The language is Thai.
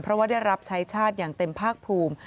เพราะว่าได้รับใช้ชาติอย่างเต็มภาคภูมิ